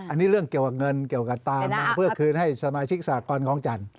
อันนี้เรื่องเกี่ยวกับเงินเกี่ยวกับตามมาเพื่อคืนให้สมาชิกสากรของจันทร์